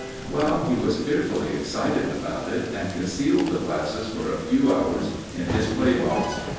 Well, he was fearfully excited about it, and concealed the glasses for a few hours in his playbox.